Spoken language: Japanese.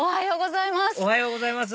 おはようございます。